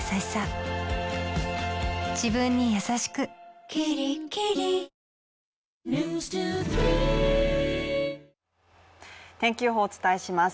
わかるぞ天気予報をお伝えします。